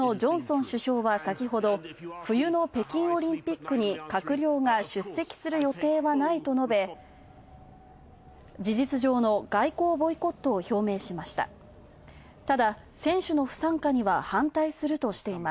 イギリスのジョンソン首相は先ほど冬の北京オリンピックに閣僚が出席する予定はないと述べ、事実上の外交ボイコットを表明しました。